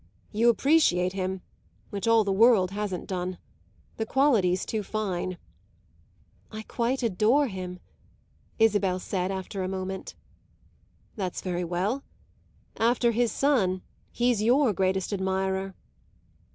"You appreciate him, which all the world hasn't done. The quality's too fine." "I quite adore him," Isabel after a moment said. "That's very well. After his son he's your greatest admirer."